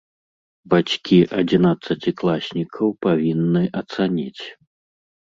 Бацькі адзінаццацікласнікаў павінны ацаніць.